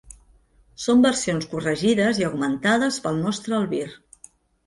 Són versions corregides i augmentades pel nostre albir.